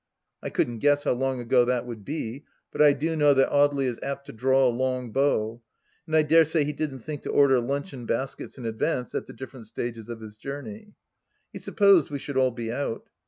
I couldn't guess how long ago that would be, but I do know that Audely is apt to draw a long bow, and I dare say he didn't think to order luncheon baskets in advance at the different stages of his journey. He supposed we should all be out.